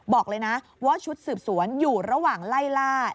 บอกเลยนะว่าชุดสืบสวนอยู่ระหว่างไล่ล่า